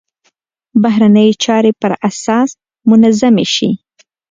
بهرنۍ چارې پر اساس منظمې شي.